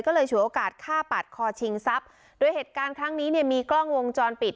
ก็เลยฉวยโอกาสฆ่าปาดคอชิงทรัพย์โดยเหตุการณ์ครั้งนี้เนี่ยมีกล้องวงจรปิด